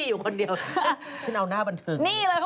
ล่อลวงแม่บ้าน